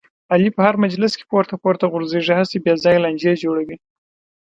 علي په هر مجلس کې پورته پورته غورځېږي، هسې بې ځایه لانجې جوړوي.